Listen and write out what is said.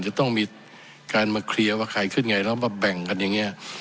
จะต้องมีการมาเคลียร์ว่าใครขึ้นไงแล้วมาแบ่งกันอย่างนี้